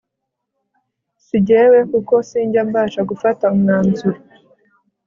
nijye we kuko sinjya mbasha gufata umwanzuro